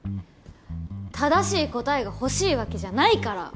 正しい答えが欲しいわけじゃないから！